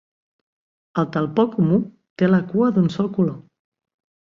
El talpó comú té la cua d'un sol color.